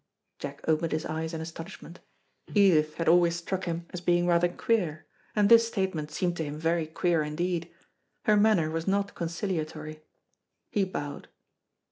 Jack opened his eyes in astonishment. Edith had always struck him as being rather queer; and this statement seemed to him very queer indeed. Her manner was not conciliatory. He bowed.